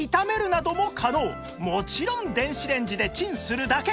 もちろん電子レンジでチンするだけ